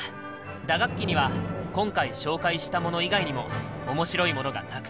打楽器には今回紹介したもの以外にも面白いものがたくさんある。